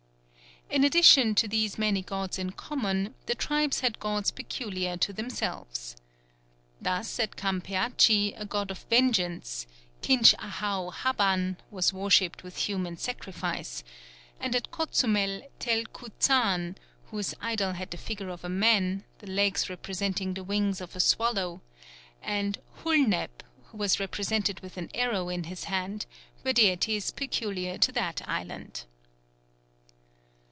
In addition to these many gods in common, the tribes had gods peculiar to themselves. Thus at Campeachy a god of Vengeance, Kinch Ahau Haban, was worshipped with human sacrifice; and at Cozumel Tel Cuzaan, whose idol had the figure of a man, the legs representing the wings of a swallow, and Hulneb, who was represented with an arrow in his hand, were deities peculiar to that island.